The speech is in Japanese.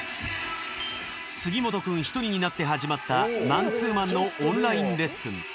杉本くん一人になって始まったマンツーマンのオンラインレッスン。